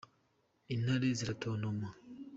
intare ziratontoma.